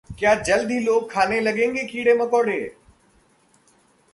क्या जल्द ही लोग खाने लगेंगे कीड़े-मकोड़े?